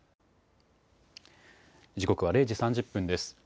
時刻は０時３０分です。